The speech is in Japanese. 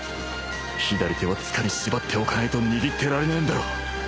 左手はつかに縛っておかないと握ってられねえんだろ